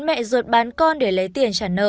mẹ ruột bán con để lấy tiền trả nợ